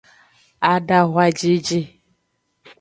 Adahwajeje.